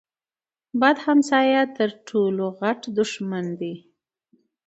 بد همسایه تر ټولو غټ دښمن دی.